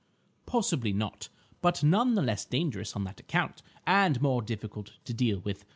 "Possibly not—but none the less dangerous on that account, and more difficult to deal with.